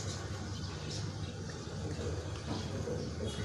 লক্ষ্য করলাম, প্রতিদিন সত্তর হাজার ফেরেশতা তাতে প্রবেশ করেন।